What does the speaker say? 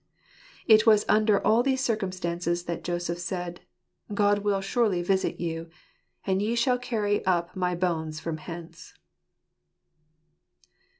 It was under all these circumstances that Joseph said, " God will surely visit you ; and ye shall carry up my bones from hence."